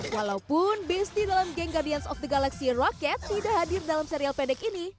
walaupun bisnis dalam geng guardians of the galaxy rocket tidak hadir dalam serial pendek ini